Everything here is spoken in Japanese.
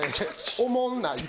おもんないと。